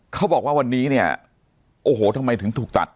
เขาบอกว่าวันนี้เนี่ยโอ้โหทำไมถึงถูกตัด